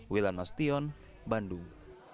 wilan mastion bandung